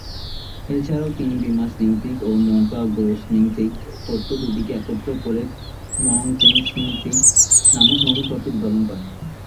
এছাড়াও তিনি বি-মা-স্ন্যিং-থিগ ও ম্খা'-'গ্রো-স্ন্যিং-থিগ তত্ত্ব দুটিকে একত্র করে ক্লোং-ছেন-স্ন্যিং-থিগ নামক নতুন তত্ত্বের উদ্ভাবন করেন।